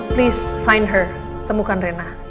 please find her temukan reina ya